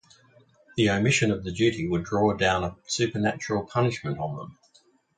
The omission of the duty would draw down a supernatural punishment on them.